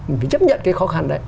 mình phải chấp nhận cái khó khăn đấy